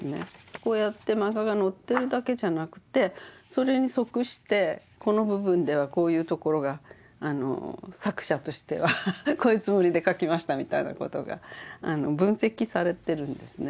こうやってマンガが載ってるだけじゃなくてそれに即してこの部分ではこういう所が作者としてはこういうつもりで描きましたみたいな事が分析されてるんですね。